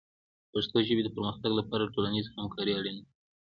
د پښتو ژبې د پرمختګ لپاره ټولنیز همکاري اړینه ده.